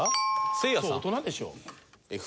せいやさん。